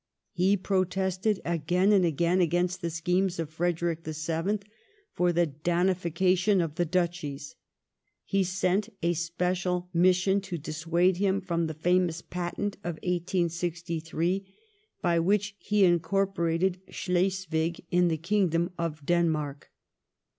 He protested again and again against the schemes of Frederick VII. for the '* Danification " of the Duchies ; he sent a special mission to dissuade him from the famous patent of 1863 by which he incorporated Schles*' wig in the kingdom of Denmark.